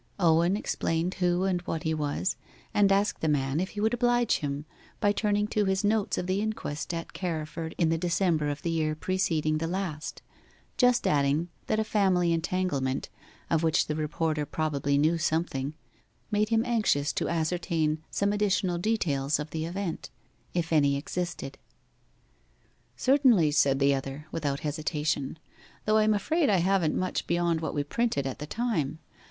Owen explained who and what he was, and asked the man if he would oblige him by turning to his notes of the inquest at Carriford in the December of the year preceding the last just adding that a family entanglement, of which the reporter probably knew something, made him anxious to ascertain some additional details of the event, if any existed. 'Certainly,' said the other, without hesitation; 'though I am afraid I haven't much beyond what we printed at the time.